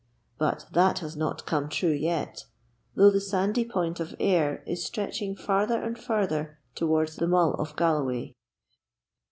But that has not come true yet, though the sandy Point of Ayre is stretching further and further towards the Mull of Galloway.